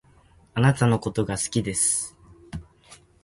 貴方のことが好きです